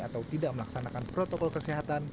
atau tidak melaksanakan protokol kesehatan